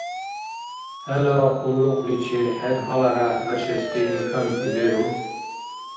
ХӀела къуллукъличир хӀед гьаларяхӀ рашести имканти леру?